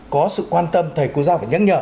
có sự quan tâm thầy cô giáo phải nhắc nhở